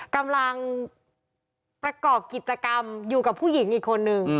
กำลังประกอบกิจกรรมอยู่กับผู้หญิงอีกคนนึง